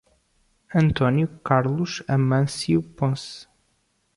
Antônio Carlos Amancio Ponce